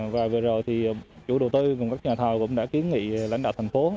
và vừa rồi chủ đầu tư cùng các nhà thò cũng đã kiến nghị lãnh đạo thành phố